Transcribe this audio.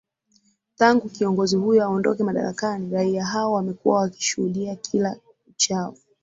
tangu kiongozi huyo aondoke madarakani raia hao wamekuwa wakishuhudia kila uchao